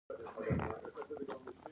ایا زه باید نارنج وخورم؟